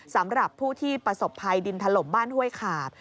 สำหรับผู้ที่ประสบภัยดินถล่มบ้านห้วยขาบ